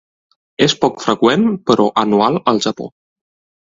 És poc freqüent, però anual al Japó.